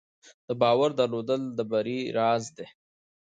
د باور درلودل د بری راز دی.